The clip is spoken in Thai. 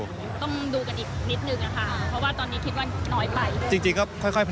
ต้องดูกันอีกนิดหนึ่งนะคะเพราะว่าตอนนี้คิดว่าน้อยไป